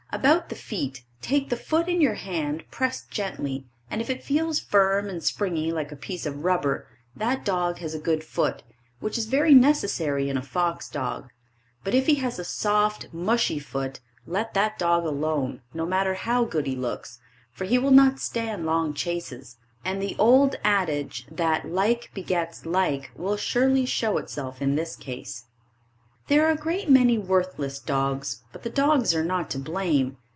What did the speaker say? About the feet take the foot in your hand, press gently, and if it feels firm and springy like a piece of rubber, that dog has a good foot, which is very necessary in a fox dog, but if he has a soft, mushy foot, let that dog alone, no matter how good he looks, for he will not stand long chases, and the old adage that like begets like, will surely show itself in this case. There are a great many worthless dogs, but the dogs are not to blame.